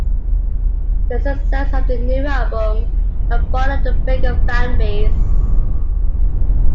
The success of the new album had brought them a bigger fan base.